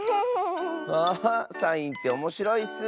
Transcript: あサインっておもしろいッス。